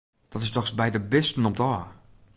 Dat is dochs by de bisten om't ôf!